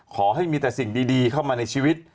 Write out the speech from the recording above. ขอให้มีแต่สิ่งดีเข้ามาในชีวิต